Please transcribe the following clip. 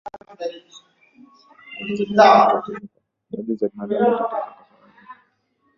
dalili zabinadamu kwa uhakika wowote Utafiti hutatizwa na sababu